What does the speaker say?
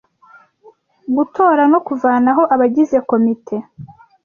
gutora no kuvanaho abagize Komite